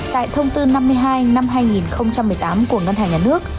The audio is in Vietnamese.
tại thông tư năm mươi hai năm hai nghìn một mươi tám của ngân hàng nhà nước